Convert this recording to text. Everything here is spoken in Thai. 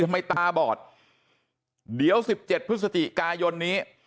ตาบอดเดี๋ยว๑๗พฤศจิกายนนี้